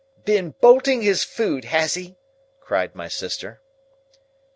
"Been bolting his food, has he?" cried my sister.